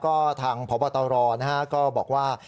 ก็ทางพบตรก็บอกว่า